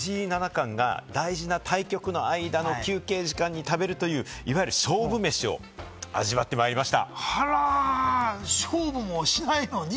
きょうはね、サバンナ・高橋さんとあの将棋の藤井七冠が大事な対局の間の休憩時間に食べるという、いわゆる勝負メシを味わってまいりました。